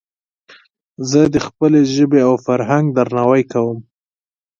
زه د خپلي ژبي او فرهنګ درناوی کوم.